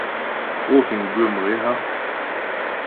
Pó fíŋ bʉə̌ mhě a?